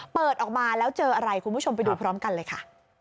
เปิดออกมาแล้วเจออะไรคุณผู้ชมไปดูพร้อมกันเลยค่ะ